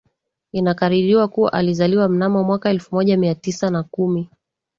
Inakadiriwa kua alizaliwa mnamo mwaka elfu moja mia tisa na kumi